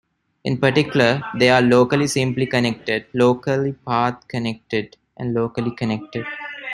In particular, they are locally simply connected, locally path connected, and locally connected.